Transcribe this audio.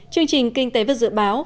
chương trình kinh tế và dự báo